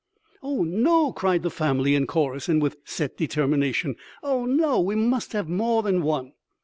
"Oh, no!" cried the family in chorus and with set determination. "Oh, no! We must have more than one!"